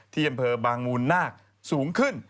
ที่อำเภอบางมูลนาคสูงขึ้น